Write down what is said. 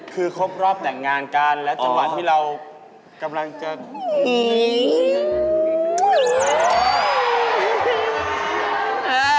คือครบรอบแต่งงานกันและจังหวะที่เรากำลังจะหนี